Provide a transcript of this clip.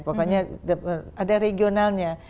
pokoknya ada regionalnya